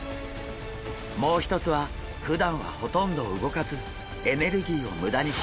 もう一つはふだんはほとんど動かずエネルギーを無駄にしないこと。